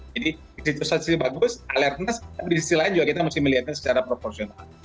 jadi situasinya bagus alertness tapi di sisi lain juga kita harus melihatnya secara proporsional